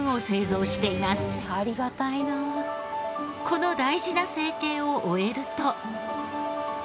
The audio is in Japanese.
この大事な成形を終えると。